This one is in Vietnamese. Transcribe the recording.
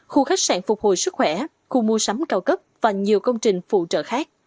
khu khách sạn phục hồi sức khỏe khu mua sắm cao cấp và nhiều công trình phụ trợ khác